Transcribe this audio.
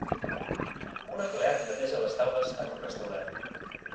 Un empleat neteja les taules en un restaurant.